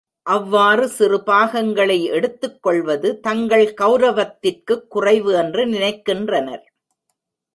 அவ்வாறு சிறு பாகங்களை எடுத்துக்கொள்வது தங்கள் கௌரவத்திற்குக் குறைவு என்று நினைக்கின்றனர்.